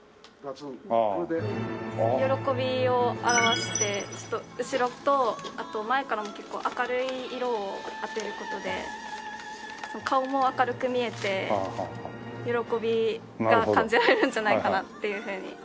喜びを表して後ろとあと前からも結構明るい色を当てる事で顔も明るく見えて喜びが感じられるんじゃないかなっていうふうに。